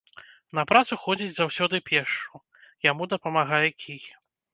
На працу ходзіць заўсёды пешшу, яму дапамагае кій.